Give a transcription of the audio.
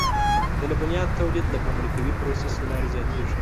د لبنیاتو تولید د فابریکوي پروسس له لارې زیاتېږي.